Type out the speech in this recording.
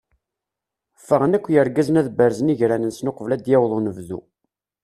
Ffɣen akk yergazen ad berzen igran-nsen uqbel ad d-yaweḍ unebdu.